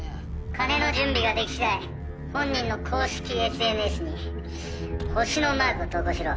金の準備ができ次第本人の公式ＳＮＳに星のマークを投稿しろ。